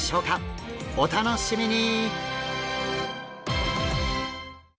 お楽しみに！